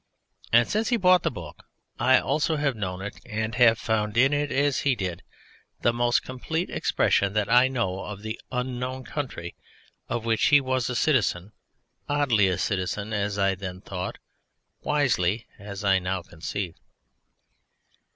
And since he bought the Book I also have known it and have found in it, as he did, the most complete expression that I know of the Unknown Country, of which he was a citizen oddly a citizen, as I then thought, wisely as I now conceive.